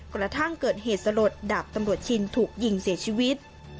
กระทั่งเกิดเหตุสลดดาบตำรวจชินถูกยิงเสียชีวิต